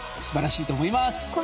素晴らしいと思います。